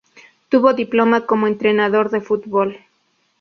Tuvo diploma como entrenador de fútbol.